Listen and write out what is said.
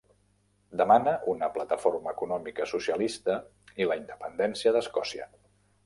Demana una plataforma econòmica socialista i la independència d'Escòcia.